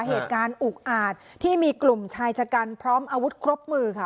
เหตุการณ์อุกอาจที่มีกลุ่มชายชะกันพร้อมอาวุธครบมือค่ะ